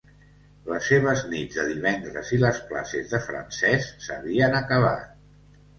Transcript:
Les seves nits de divendres i les classes de francès s'havien acabat.